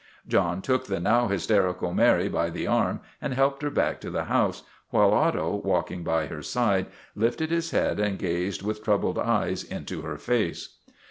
John took the now hysterical Mary by the arm and helped her back to the house, while Otto, walking by her side, lifted his head and gazed with troubled eyes into her face.